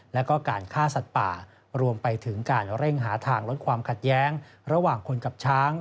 แล้วก็การฆ่าสัตว์ป่ารวมไปถึงการเร่งหาทางลดความขัดแย้งระหว่างคนกับช้าง